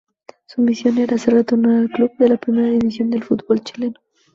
Su misión era hacer retornar al club a la Primera División del fútbol chileno.